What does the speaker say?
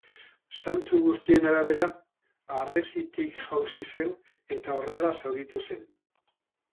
Zantzu guztien arabera, harresitik jausi zen, eta horrela zauritu zen.